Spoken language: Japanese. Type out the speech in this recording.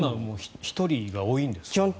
１人が多いんですか。